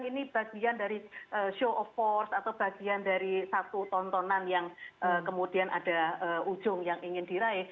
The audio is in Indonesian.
ini bagian dari show of force atau bagian dari satu tontonan yang kemudian ada ujung yang ingin diraih